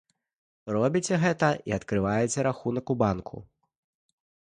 Робіце гэта, і адкрываеце рахунак у банку.